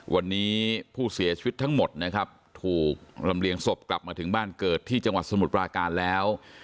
วันนี้ผู้เสียชีวิตทั้งหมดนะครับถูกลำเลียงศพกลับมาถึงบ้านเกิดที่จังหวัดสมุทรปราการแล้ว